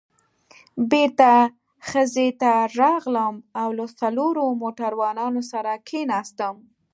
بېرته خزې ته راغلم او له څلورو موټروانانو سره کېناستم.